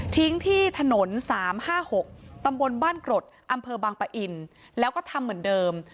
ที่ถนน๓๕๖ตำบลบ้านกรดอำเภอบางปะอินแล้วก็ทำเหมือนเดิม